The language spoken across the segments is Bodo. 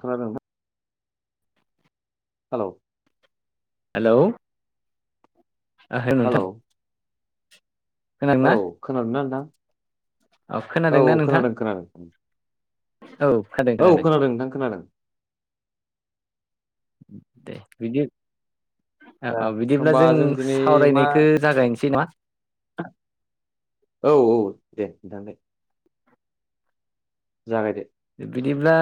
खोनादों नोंथां? हालौ। हेलौ। ओहो हेलौ नोंथां। खोनादों ना औ खोनादों ना नोंथां? औ खोनादोंना नोंथां? खोनादों खोनादों औ खोनादों औ खोनादों नोंथां खोनादों। दे बिदि। दा औ-औ बिदिब्ला होमबा जों सावरायनायखौ जागायनोसै नामा? औ-औ दे नोंथां दे। जागायदो। बिदिब्ला।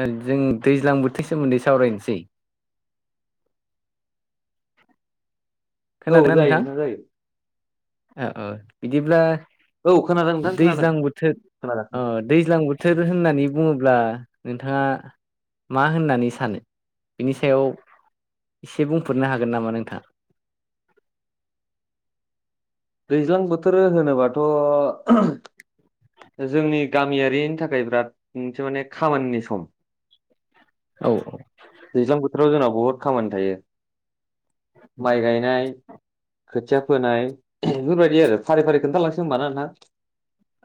ओं जों दैज्लां बोथोरनि सोमोन्दै सावरायनोसै। [inaudible] औ जायो नोंथां जायो। औ-औ बिदिब्ला। औ खोनादों नोंथां खोनादों दैज्लां बोथोर खोनादों। अ दैज्लां बोथोर होननानै। बुङोब्ला नोंथाङा मा होननानै सानो? बिनि सायाव। एसे बुंफोरनो हागोन नामा नोंथाङा? दैज्लां बोथोर होनोबाथ'। जोंनि गामियारिनि थाखाय बिराद मोनसे माने खामानिनि सम। औ-औ। दैज्लां बोथोराव जोंनाव बहुद खामानि थायो माइ गायनाय। खोथिया फोनाय बेफोरबायदि आरो फारि-फारि खोन्थालांसै होमबा ना नोंथां?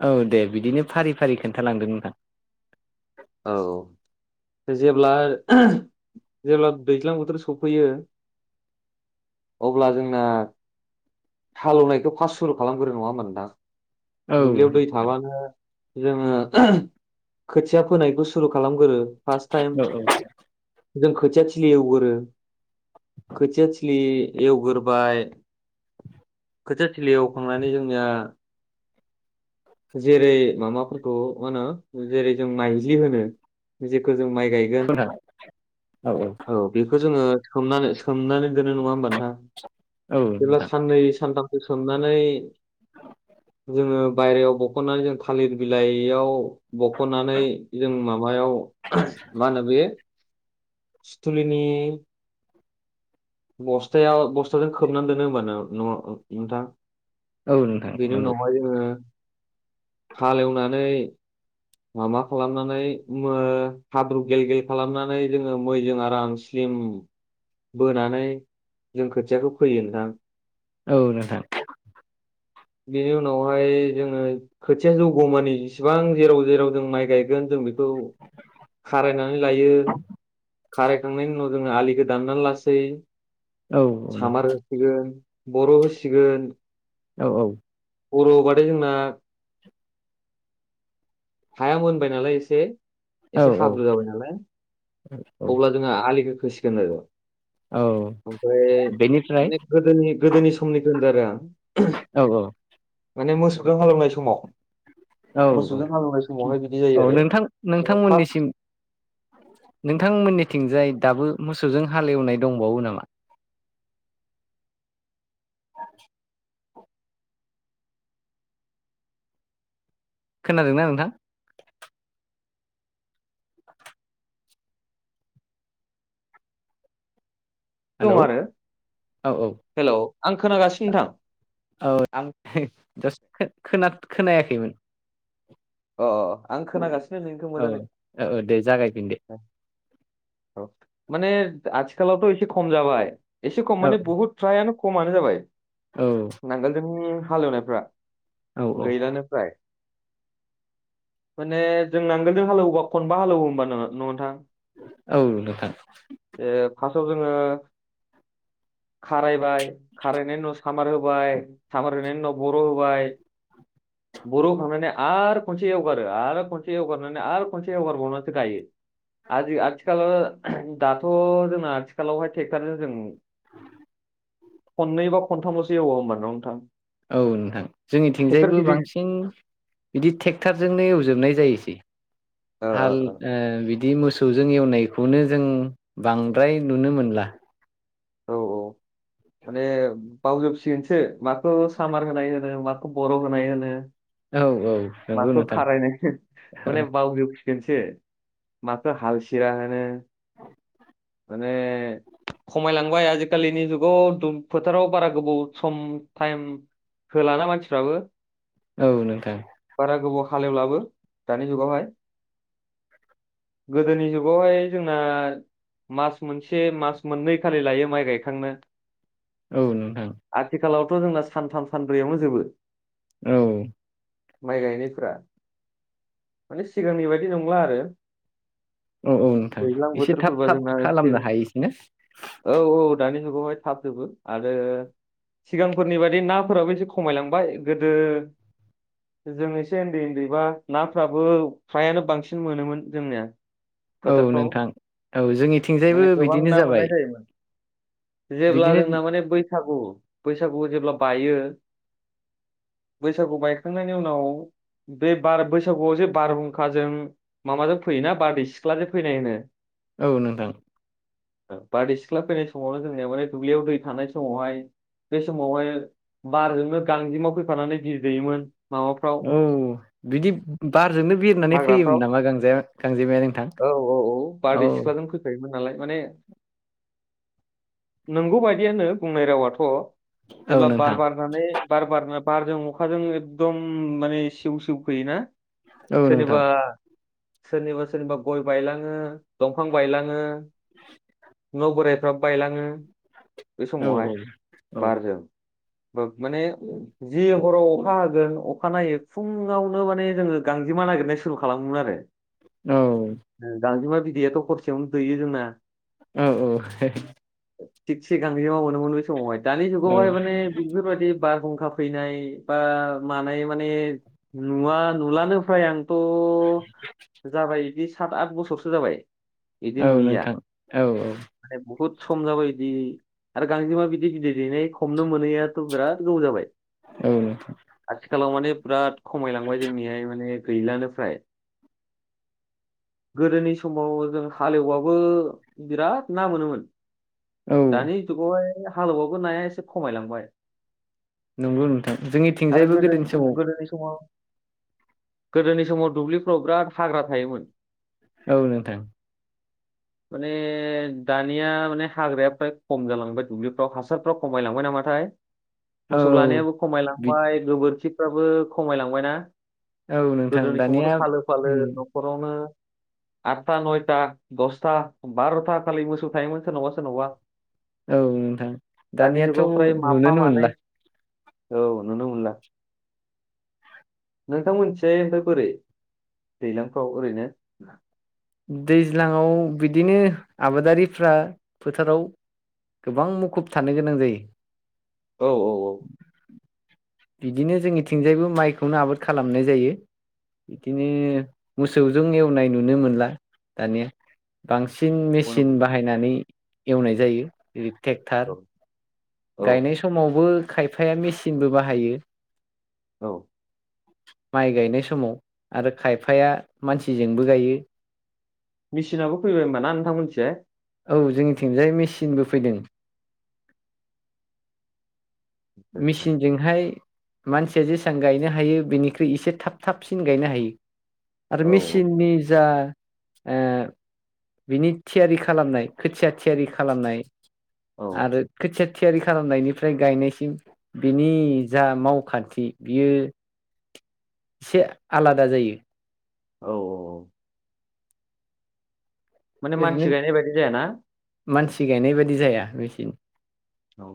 औ दे बिदिनो फारि-फारि खोन्थालांदो नोंथां। औ-औ। जेब्ला-जेब्ला दैज्लां बोथोर सफैयो। अब्ला जोंना। हालेवनायखौ फास्ट सुरु खालामग्रोयो नङा होनबा औ नोंथां दुब्लियाव दै थाबानो। जोङो खोथिया फोनायखौ सुरु खालामग्रो। फास्ट टाइम औ जों खोथिया थिलि एवगोरो। खोथियाथिलि एवगोरोबाय। खोथियाथिलि एवखांनानै जोंनिया। [inaudible] जेरै माबाफोरखौ मा होनो? जेरै- जों माइज्लि होनो जेखौ। जों माइ गायगोन नोंथां औ बेखौ। बेखौ जोङो सोमनानै-सोमनानै दोनो नङा होमबा नोंथां? औ जेब्ला नोंथां साननै सानथामसो सोमनानै। जोङो बायहेरायाव बख'नानै जों थालिर बिलाइयाव बख'नानै जों माबायाव। मा होनो बे सुथुलिनि। बस्थायाव बस्थाजों खोबनानै दोनो होमबा न'-न'आव नोंथां? औ नोंथां। बेनि नंगौ उनावहाय जोङो हालेवनानै। माबा खालामनानै ओमो हाब्रु गेल-गेल खालामनानै जोङो मैजों आराम स्लिम। [inaudible] बोनानै जों खोथियाखौ फोयो नोंथां। औ नोंथां। बिनि उनावहाय जोङो खोथिया जौग'मानि जेसेबां जेराव-जेराव जों माइ गायगोन जों। जों बेखौ खारायनानै लायो खारायखांनायनि उनाव जोङो आलिखौ दाननानै लासै औ औ नोंथां सामार होसिगोन बर' होसिगोन औ औ बर' होबाथाय जोंना हाया मोनबाय नालाय एसे औ एसे हाब्रु जाबाय नालाय औ अब्ला जोंहा आलिखौ खोसिगोन आरो औ ओमफ्राय बेनिफ्राय माने गोदोनि गोदोनि समनि होन्दो आरो आं औ औ माने मोसौखौ हालौनाय समाव औ औ मोसौजों हालेवनाय समावहाय बिदि जायो औ आरो नोंथां जेनेबा फार्स्ट नोंथांमोननिसिम नोंथांमोननि थिंजाय दाबो मोसौजों हालेवनाय दंबावो नामा [inaudible] खोनादोंना नोंथां दं हेलौ आरो औ औ हेल' आं खोनागासिनो नोंथां औ आं [unintelligible] खोनायाखैमोन अ आं खोनागा औ औ दे जागायफिन दे औ माने आथिखालावथ' एसे खम जाबाय एसे खम औ माने बुहुद फ्रायानो खमानो जाबाय औ नांगोलजों हालेवनायफ्रा औ औ गैलानो फ्राय माने जों नांगोलजों हालेवोबा खनबा हालेवो होमबा नङा नोंथां औ नोंथां फासआव जोङो [inaudible] खारायबाय खारायनायनि उनाव सामार होबाय सामार होनायनि उनाव बर' होबाय बर'होखांनानै आरो खनसे एवगारो आरो खनसे एवगारनानै आरो खनसे एवगारबावनानैसो गायो आजि आथिखालाव दाथ' जोंना आथिखालावहाय ट्रेक्ट'रजों जों [inaudible] खननै बा खनथामसो एवा होमबा नङा नोंथां औ नोंथां ट्रेक्टर जोंनिथिंजायबो गिदिर बांसिन बिदि ट्रेक्ट'र जोंनो एवोबनाय जायो सै हाल ओ बिदि मोसौ जों एवनाय बेखौनो जों बांद्राय नुनो मोनला ओ औ औ माने बावजोबसिगोनसो माखौ सामार होनाय होनो माखौ बर' होनाय होनो औ औ नंगौ माखौ नोंथां खारायनाय माने बावजोब सिगोन सो माखौ हाल सिरा होनो माने खमायलांबाय आजिखालिनि जुगाव दुब फोथाराव बारा गोबाव सम टाइम होलाना मानसिफ्राबो औ नोंथां बारा गोबाव हालेवलाबो दानि जुगावहाय गोदोनि जुगावहाय जोंना मास मोनसे मास मोननै खालि लायो माइ गायखांनो औ नोंथां आथिखालावथ' जोंना सानथाम सानब्रैयावनो जोबो औ माइ गायनायफ्रा माने सिगांनि बायदि नंला आरो औ औ नोंथां दैज्लां एसे थाब बोथोरफोरबा थाब जोंना सि- खालामनो हायोसैना औ औ दानि जुगावहाय थाबजोबो आरो सिगांफोरनि बाददि नाफोराबो एसे खमायलांबाय गोदो जों एसे उन्दै उन्दैबा नाफ्राबो फ्रायानो बांसिन मोनोमोन जोंनिया औ फोथारफ्राव नोंथां। औ जोंनिथिंजायबो माने गोबां बिदिनो ना मोननाय जाबाय। जायोमोन जेब्ला बिदिनो जोंना माने बैसागु बैसागुखौ जेब्ला बाय बायो बैसागु बायखांनायनि उनाव बे बार बैसागुआव जे बारहुंखाजों माबाजों फैयोना बारदै सिख्लाजों फैनाय होनो। औ नोंथां। बारदै सिख्ला फैनाय समावनो जोंनिया माने दुब्लियाव दै थानाय समावहाय बे समावहाय बारजोंनो गांजेमा फैफानानै बिदै दैेयोमोन। औ बिदि बारजोंनो बिरनानै फैयोमोन हाग्राफ्राव नामा गांजे-गांजेमाया नोंथां? औ औ औ बारदै सिख्लाजों फैफायोमोन नालाय, माने नंगौ बायदियानो बुंनाय रावाथ'। औ जेब्ला बार नोंथां बारनानै बार बारनो बारजों अखाजों एकदम माने सिउ सिउ फैयोना, औ नोंथां सोरनिबा सोरनिबा सोरनिबा गय बायलाङो, दंफां बायलाङो, न' बोराइफ्राबो बायलाङो बे औ समावहाय औ औ बारजों। माने जि हराव अखा हागोन अखा नायो फुङावनो माने जोङो गां जेमा नागिरनाय सुरु खालामोमोन आरो। औ गांजेमा बिदैयाथ' हरसेयावनो दैयो जोंना। ओ ओ। थिगसे गांजेमा मोनोमोन बै समावहाय। दानि जुगावहाय औ माने बेफोरबायदि बारहुंखा फैनाय बा मानाय माने नुवा नुलानो फ्राय आंथ' जाबाय इदि सात आत बसरसो जाबाय। इदि औ नुयिया। नोंथां औ औ। माने बुहुद सम जा बायदि आरो गांजेमा बिदि बिदै दैनाय हमनो मोनैयाथ' बिराद गोबाव जाबाय। औ आथिखालाव माने बिराद खमायलांबाय जोंनिहाय माने गैलानोफ्राय। गोदोनि समाव जों हालेवबाबो बिराद ना मोनोमोन। औ दानि जुगावहाय हालौबाबो नाया एसे खमायलांबाय। नंगौ नोंथां आरो जोंनिथिंजायबो गोदोनि सम समाव गोदोनि समाव गोदोनि समाव दुब्लिफ्राव बिराद हाग्रा थायोमोन। औ नोंथां। माने दानिया माने हाग्राया फ्राय खम जालांबाय दुब्लिफ्राव, हासारफ्रा खमायलांबाय नामाथाय? औ मोसौ लानायाबो खमायलांबाय गोबोरखिफ्राबो खमायलांबायना। औ नोंथां गोदोनि दानिया समावथ' फालो फालो उम न'खरावनो आत्ता नयथा दसथा बार'था खालि मोसौ थायोमोन सोरनावबा सोरनावबा। औ नोंथां दानि दानियाथ' जुगाव फ्राय माफा नुनोनो मानै। मोनला औ नुनो मोनला। नोंथां मोनथिंहाय ओमफाय बोरै, दैलांफ्राव ओरैनो? दैज्लाङाव बिदिनो आबादारिफ्रा फोथाराव गोबां मुखुब थानो गोनां जायो। औ औ औ। बिदिनो जोंनिथिंजायबो माइखौनो आबाद खालामनाय जायो। इदिनो मोसौजों एवनाय नुनो मोनला दानिया। बां सिन मेसिन गनांगौ। बाहायनानै एवनाय जायो जेरै थेक्टार। औ औ गायनाय समावबो खायफाया मेसिनबो बाहायो। औ। माइ गायनाय समाव आरो खायफाया मानसिजोंबो गायो। मिसिनाबो फैबाय होनबा ना नोंथां मोननिथिंजाय? औ जोंनि थिंजाय मिसिनबो फैदों। मेचिनजोंहाय मानसिया जेसां गायनो हायो बेनिख्रुइ एसे थाब थाबसिन गायनो हायो। आरो औ औ मेसिननि जा ओ बिनि थियारि खालामनाय खोथिया थियारि खालामनाय औ आरो खोथिया थियारि खालामनायनिफ्राय गायनायसिम बिनि जा मावखान्थि बियो एसे आलादा जायो। औ औ। माने ओरैनो मानसि गायनाय बायदि जायाना? मानसि गायनाय बादि जाया। मेसिन औ।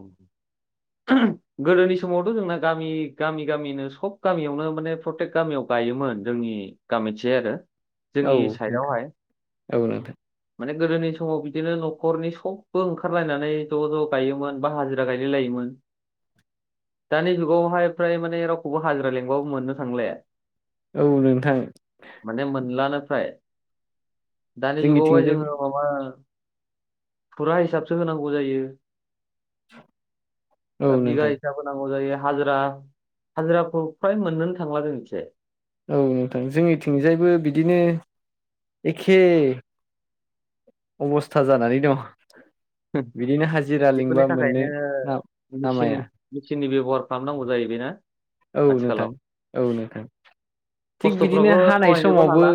[unintelligible] गोदोनि समावथ' जोंना गामि गामि गामिनो सब गामियावनो माने प्रटेक गामियाव गायोमोन जोंनि गामिथिजाय आरो औ जोंनि साइडआवहाय। औ नोंथां। माने गोदोनि समाव बिदिनो न'खरनि सबबो ओंखारलायनानै ज' ज' गायोमोन बा हाजिरा गायलायलायोमोन। [inaudible] दानि जुगावहाय फ्राय माने रावखौबो हाजिरा लेंबाबो मोननो थांले। औ नोंथां। माने मोनलानो फ्राय दानि जुगावहाय जोंनिथिंजाय जोङो माबा फुरा हिसाबसो होनांगौ जायो। दा औ बिघा नोंथां हिसाब होनांगौ जायो। हाजिरा हाजिराखौ फ्राय मोननोनो थांला जोंंनिथिजाय। औ नोंथां जोंनिथिंजायबो बिदिनो एखे अबस्था जानानै दङ। बेब बेफोरनि मोननो ना थाखायनो मिसिन नामाया मिसिननि बे गर खामनांगौ जायो बेना औ नोंथां आथिखालाव। औ नोंथां थिग बिदिनो खस्थ'फ्रावबो हानाय समहायनोबो समावबो हाला।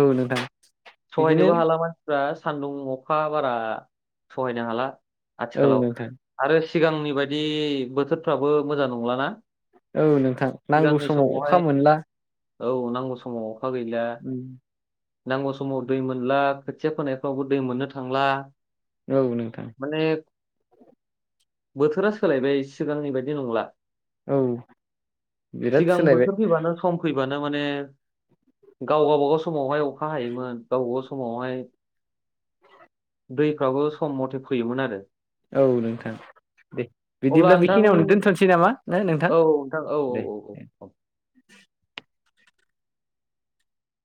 औ नोंथां बिदिनो सहायनोबो हाला मानसिफ्रा सान्दुं अखा बारा सहायनो हाला औ आथिखालाव नोंथां आरो सिगांनि बायदि बोथोरफ्राबो मोजां नंलाना। औ नोंथां नांगौ सिगांनि समाव समावहाय अखा मोनला। औ नांगौ समाव अखा गैला। उम नांगौ समाव दै मोनला खोथिया फोनायफ्रावबो दै मोननो थांला। औ नोंथां। माने बोथोरा सोलायबाय सिगांनि बायदि नंला। औ बिराद सिगां सोलायबाय बोथोर फैबानो सम फैबानो माने गाव गावबागाव समावहाय अखा हायोमोन गावबागाव समावहाय दैफ्राबो सम मथे फैयोमोन आरो। औ नोंथां दे अब्ला बिदिब्ला नोंथां बेखिनियावनो दोनथ'नोसै नामा ना नोंथां? औ औ दे औ औ औ। [inaudible]